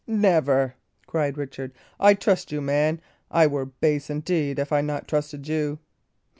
"Never!" cried Richard. "I trust you, man. I were base indeed if I not trusted you."